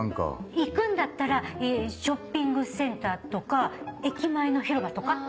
行くんだったらショッピングセンターとか駅前の広場とか？